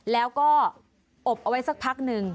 แล้วก็อบเอาไว้สักพักหนึ่ง